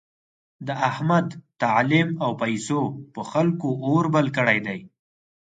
د احمد تعلیم او پیسو په خلکو اور بل کړی دی.